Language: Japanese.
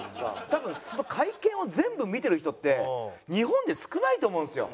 多分その会見を全部を見てる人って日本で少ないと思うんですよ。